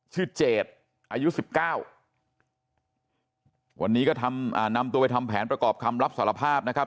เจดอายุสิบเก้าวันนี้ก็ทำอ่านำตัวไปทำแผนประกอบคำรับสารภาพนะครับ